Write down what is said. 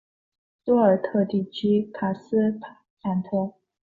多尔特地区卡斯泰特。